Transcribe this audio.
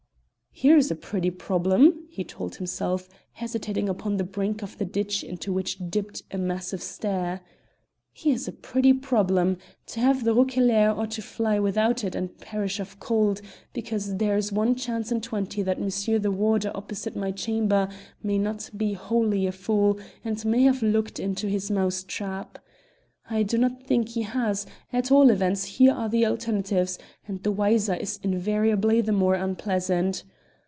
"Here's a pretty problem!" he told himself, hesitating upon the brink of the ditch into which dipped a massive stair "Here's a pretty problem! to have the roquelaire or to fly without it and perish of cold, because there is one chance in twenty that monsieur the warder opposite my chamber may not be wholly a fool and may have looked into his mousetrap. I do not think he has; at all events here are the alternatives, and the wiser is invariably the more unpleasant.